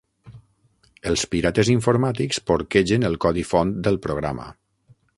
Els pirates informàtics porquegen el codi font del programa.